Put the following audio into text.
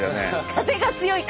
風が強い。